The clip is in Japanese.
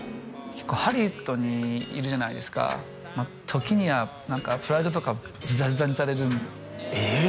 ハリウッドにいるじゃないですか時にはプライドとかズタズタにされるえっ！？